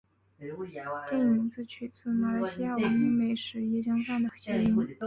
电影名字取自马来西亚闻名美食椰浆饭的谐音。